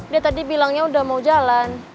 dia tadi bilangnya udah mau jalan